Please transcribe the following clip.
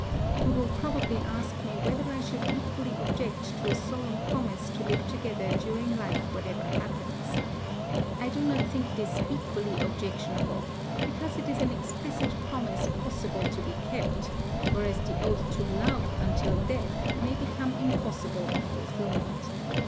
"You will probably ask me whether I should equally object to a solemn promise to live together during life whatever happens. I do not think this equally objectionable, because it is an explicit promise possible to be kept; whereas the oath to love until death, may become impossible of fulfilment.